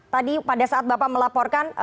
tadi pada saat bapak melaporkan